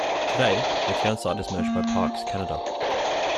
Today, the town site is managed by Parks Canada.